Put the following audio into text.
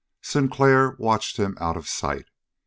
15 Sinclair watched him out of sight.